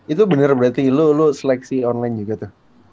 itu bener berarti lu seleksi online juga tuh